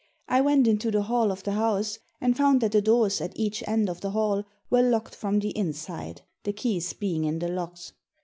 I went into the hall of the house and found that the doors at each end of the hall were locked from the inside, the keys being in the locks.